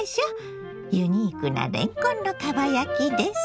ユニークなれんこんのかば焼きです。